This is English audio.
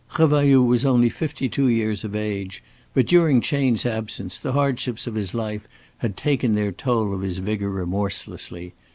Revailloud was only fifty two years of age, but during Chayne's absence the hardships of his life had taken their toll of his vigor remorselessly.